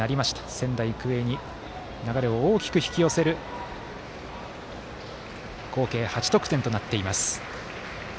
仙台育英に流れを大きく引き寄せる合計８得点となっています。